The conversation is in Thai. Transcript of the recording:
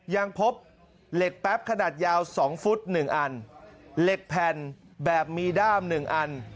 ยังพบเหล็กแป๊บขนาดยาว๒ฟุตหนึ่งอันเหล็กแผ่นแบบมีด้ามหนึ่งอัน